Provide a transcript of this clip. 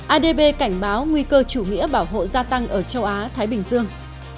adb cảnh báo nguy cơ chủ nghĩa bảo hộ gia tăng ở châu á thái bình dương